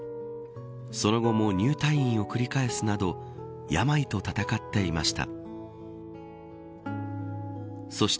その後も入退院を繰り返すなど病と闘っていました。